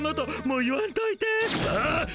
もう言わんといて。